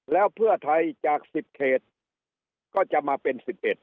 แล้วเพื่อไทยจาก๑๐เขตก็จะมาเป็น๑๑